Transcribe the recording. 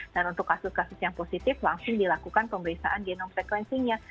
dan untuk kasus kasus yang positif langsung dilakukan pemeriksaan genom frekuensinya